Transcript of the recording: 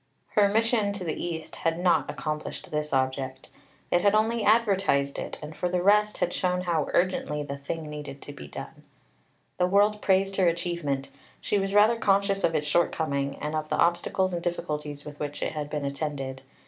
Her mission to the East had not accomplished this object. It had only advertised it, and for the rest had shown how urgently the thing needed to be done. The world praised her achievement. She was rather conscious of its shortcoming, and of the obstacles and difficulties with which it had been attended.